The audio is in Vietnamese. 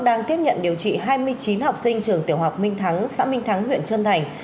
đang tiếp nhận điều trị hai mươi chín học sinh trường tiểu học minh thắng xã minh thắng huyện trơn thành